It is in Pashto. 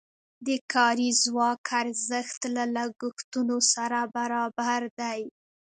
د کاري ځواک ارزښت له لګښتونو سره برابر دی.